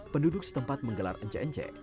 penduduk setempat menggelar ence ence